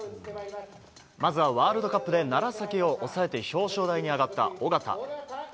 まずはワールドカップで楢崎を抑えて表彰台に上がった緒方。